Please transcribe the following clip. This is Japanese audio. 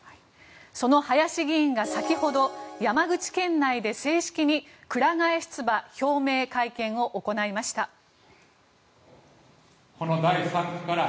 その林議員が先ほど山口県内で正式にくら替え出馬表明会見を行いました。